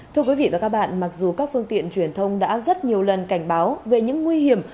thưa quý vị và các bạn mặc dù các phương tiện truyền thông đã rất nhiều lần cảnh báo về những nguy hiểm